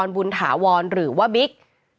บุญถาวรหรือว่าบิ๊ก